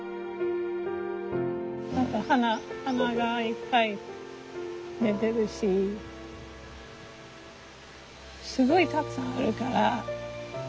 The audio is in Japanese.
何か花がいっぱい出てるしすごいたくさんあるから。